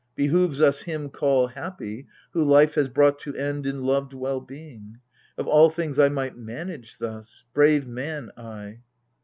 Behoves us him call happy Who life has brought to end in loved well being. If all things I might manage thus — brave man, I